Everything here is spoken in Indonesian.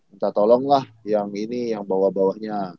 minta tolong lah yang ini yang bawah bawahnya